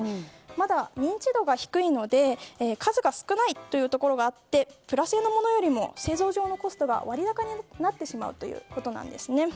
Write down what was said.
まだ、認知度が低いので数が少ないというところがあってプラ製のものよりも製造上のコストが割高になってしまうんです。